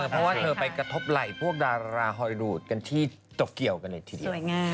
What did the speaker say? เพราะว่าเธอไปกระทบไหล่พวกดาราฮอลดูดกันที่จกเกี่ยวกันเลยทีเดียว